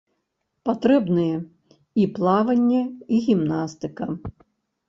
Патрэбныя і плаванне, і гімнастыка.